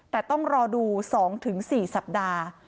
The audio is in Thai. แต่ต้องรอดู๒๔สัปดาห์